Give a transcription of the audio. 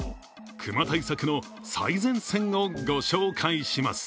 熊対策の最前線をご紹介します。